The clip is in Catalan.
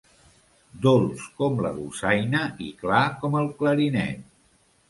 Dolç com la dolçaina, i clar com el clarinet.